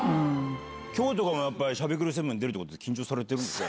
きょうとかもやっぱりしゃべくり００７に出るとかで、緊張されてるんですか？